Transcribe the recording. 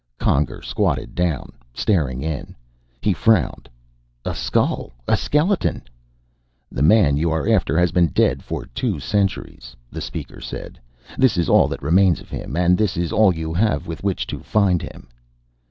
Conger squatted down, staring in. He frowned. "A skull! A skeleton!" "The man you are after has been dead for two centuries," the Speaker said. "This is all that remains of him. And this is all you have with which to find him."